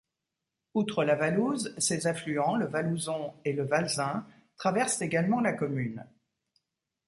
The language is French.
Outre la Valouse, ses affluents, le Valouson et le Valzin traversent également la commune.